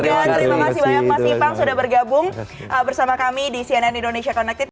terima kasih banyak mas ipang sudah bergabung bersama kami di cnn indonesia connected